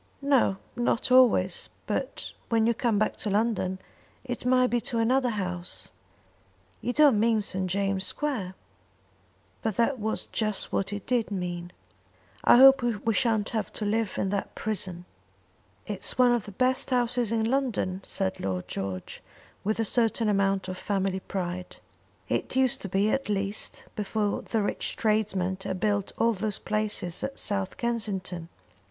"No, not always; but when you come back to London it may be to another house." "You don't mean St. James' Square?" But that was just what he did mean. "I hope we shan't have to live in that prison." "It's one of the best houses in London," said Lord George, with a certain amount of family pride. "It used to be, at least, before the rich tradesmen had built all those palaces at South Kensington."